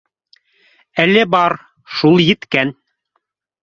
Әле бар, шул еткән